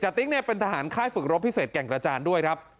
ติ๊กเนี่ยเป็นทหารค่ายฝึกรบพิเศษแก่งกระจานด้วยครับ